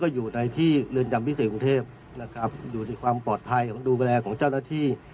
อยู่ในที่เรือนจำพิเศษกรุงเทพนะครับอยู่ในความปลอดภัยของดูแลของเจ้าหน้าที่